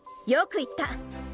よく言った。